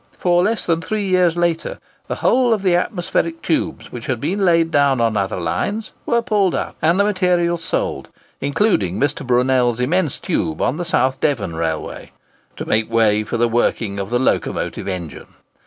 For, less than three years later, the whole of the atmospheric tubes which had been laid down on other lines were pulled up and the materials sold—including Mr. Brunel's immense tube on the South Devon Railway—to make way for the working of the locomotive engine.